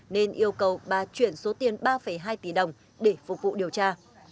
nên yêu cầu bà chuyển số tiền ba hai tỷ đồng để phục vụ điều tra